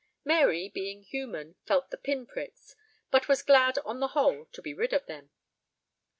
Mary, being human, felt the pin pricks, but was glad on the whole to be rid of them.